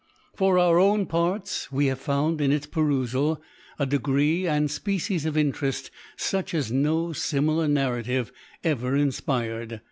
For our own parts, we have found, in its perusal, a degree, and a species of interest such as no similar narrative ever inspired.